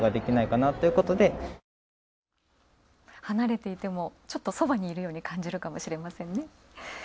離れていても、ちょっとそばにいるように感じるかもしれませんね。